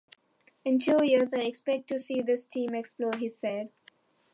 "In two years, I expect to see this team explode," he said.